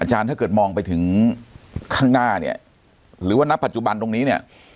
ถ้าเกิดมองไปถึงข้างหน้าเนี่ยหรือว่าณปัจจุบันตรงนี้เนี่ย